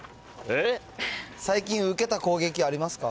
最近受けた攻撃ありますか？